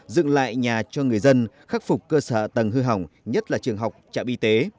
dựng lại nhà cho người dân khắc phục cơ sở tầng hư hỏng nhất là trường học trạm y tế